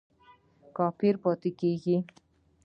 کفر پاتی کیږي؟